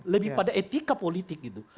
lebih pada etika politik gitu